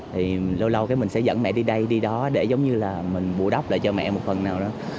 thì lâu lâu cái mình sẽ dẫn mẹ đi đây đi đó để giống như là mình bù đắp lại cho mẹ một phần nào đó